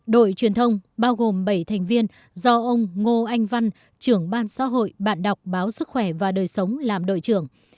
đội truyền thông bao gồm bảy thành viên do ông ngô anh văn trưởng ban xã hội bạn đọc báo sức khỏe và đời sống làm đội trưởng